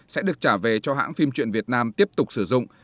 sẽ được trả về cho hãng phim truyện việt nam tiếp tục sử dụng